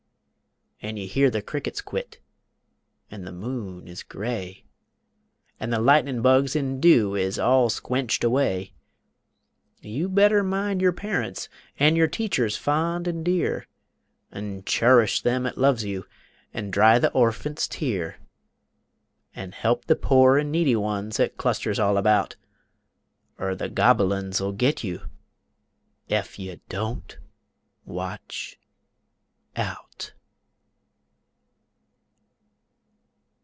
An' you hear the crickets quit, an' the moon is gray, An' the lightnin' bugs in dew is all squenched away, You better mind yer parents, and yer teachers fond and dear, An' churish them 'at loves you, an' dry the orphant's tear, An' he'p the pore an' needy ones 'at clusters all about, Er the Gobble uns'll git you Ef you Don't Watch Out!